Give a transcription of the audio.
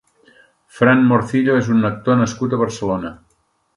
Fran Morcillo és un actor nascut a Barcelona.